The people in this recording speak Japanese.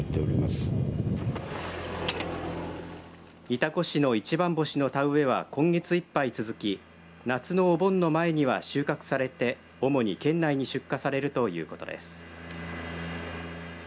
潮来市の一番星の田植えは今月いっぱい続き夏のお盆の前には収穫されて主に県内に出荷されるということです。